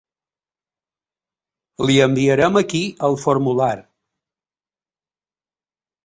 Li enviarem aquí el formular.